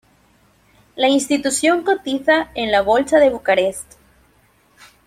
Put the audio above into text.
La institución cotiza en la bolsa de Bucarest.